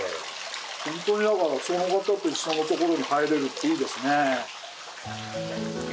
本当にだからその方と一緒のところに入れるっていいですね。